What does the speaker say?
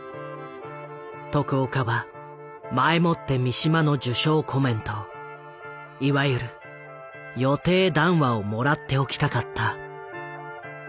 徳岡は前もって三島の受賞コメントいわゆる「予定談話」をもらっておきたかった。